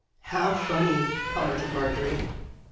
"" How funny !" commented Marjorie.